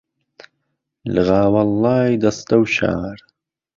لغاو ەڵای دەسته و شار